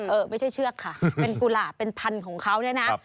เออไม่ใช่เชือกค่ะเป็นกุหลาบเป็นพันธุ์ของเขาเนี่ยนะ